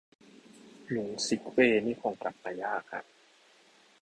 ลุงซิคเว่นี่คงกลับมายากฮะ